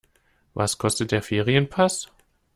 Was kostet der Ferienpass?